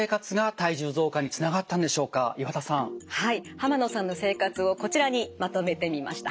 濱野さんの生活をこちらにまとめてみました。